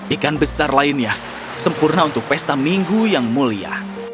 ikan besar lainnya sempurna untuk pesta minggu yang mulia